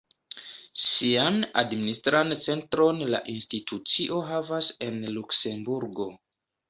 Sian administran centron la institucio havas en Luksemburgo.